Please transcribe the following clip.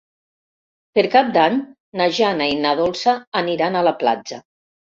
Per Cap d'Any na Jana i na Dolça aniran a la platja.